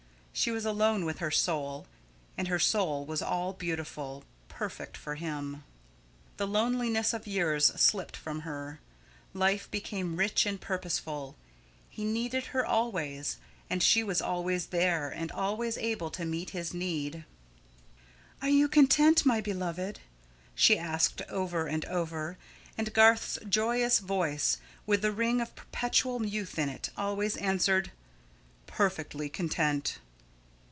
She was alone with her soul; and her soul was all beautiful perfect for him. The loneliness of years slipped from her. Life became rich and purposeful. He needed her always, and she was always there and always able to meet his need. "Are you content, my beloved?" she asked over and over; and Garth's joyous voice, with the ring of perpetual youth in it, always answered: "Perfectly content."